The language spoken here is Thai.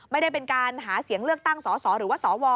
ไม่ได้เป็นการหาเสียงเลือกตั้งสสหรือว่าสว